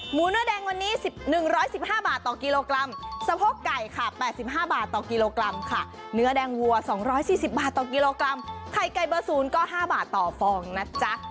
เนื้อแดงวันนี้๑๑๕บาทต่อกิโลกรัมสะโพกไก่ค่ะ๘๕บาทต่อกิโลกรัมค่ะเนื้อแดงวัว๒๔๐บาทต่อกิโลกรัมไข่ไก่เบอร์๐ก็๕บาทต่อฟองนะจ๊ะ